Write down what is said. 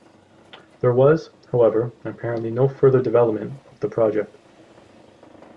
There was, however, apparently no further development of the project.